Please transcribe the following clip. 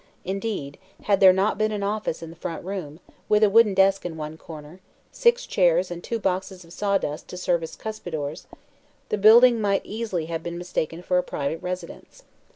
Indeed, had there not been an "office" in the front room, with a wooden desk in one corner, six chairs and two boxes of sawdust to serve as cuspidors, the building might easily have been mistaken for a private residence.